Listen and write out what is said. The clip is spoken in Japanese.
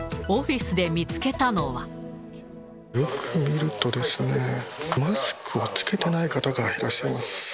よく見るとですね、マスクを着けてない方がいらっしゃいます。